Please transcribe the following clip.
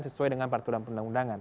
sesuai dengan peraturan undang undangan